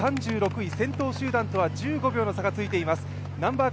３６位、先頭集団とは１５秒の差がついています